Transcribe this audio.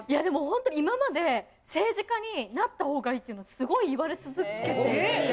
でもほんとに今まで政治家になった方がいいっていうのはすごい言われ続けていて。